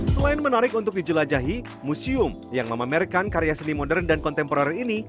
selain menarik untuk dijelajahi museum yang memamerkan karya seni modern dan kontemporer ini